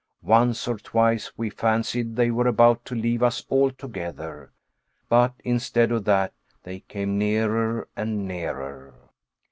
Once or twice we fancied they were about to leave us altogether, but instead of that, they came nearer and nearer.